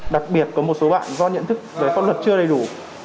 đặc biệt có một số bạn do nhận thức về pháp luật chưa đầy đủ